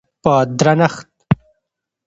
په درنښت